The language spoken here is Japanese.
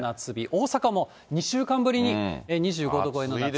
大阪も２週間ぶりに２５度超えの夏日。